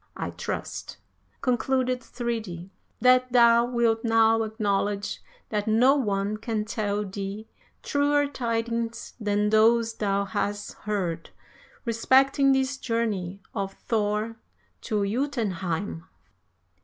I trust," concluded Thridi, "that thou wilt now acknowledge that no one can tell thee truer tidings than those thou hast heard respecting this journey of Thor to Jotunheim."